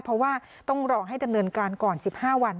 เพราะว่าต้องรอให้ดำเนินการก่อน๑๕วัน